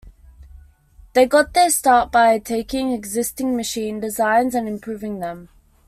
They got their start by taking existing machine designs and improving them.